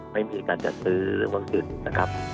ไม่มีการจัดซื้อวัคซีนนะครับ